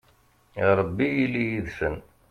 a rebbi ili yid-sen